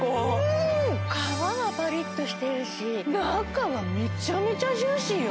皮がパリッとしてるし中はめちゃめちゃジューシーよ